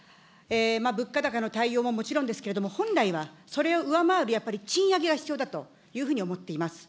物価高の対応はもちろんですけれども、本来は、それを上回る、やっぱり賃上げが必要だというふうに思っています。